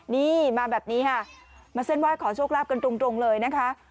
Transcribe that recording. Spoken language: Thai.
นี่มาแบบนี้ค่ะมาเส้นไหว้ขอโชคลาภกันตรงเลยนะคะ